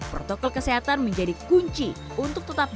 protokol kesehatan menjadi kunci untuk tetap